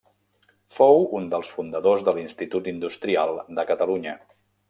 Fou un dels fundadors de l'Institut Industrial de Catalunya.